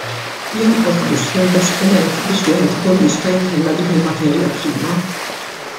Jonqos biss l-investiment biex wieħed ikun jista' jtella' dik il-materja prima!